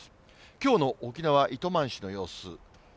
きょうの沖縄・糸満市の様子。